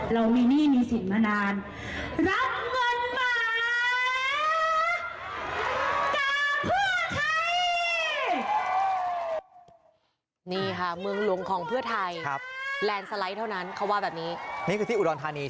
ลุงโทนี่ก็น่าจะกลับมาเลี้ยงหลานบ้าง